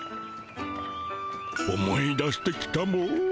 思い出してきたモ。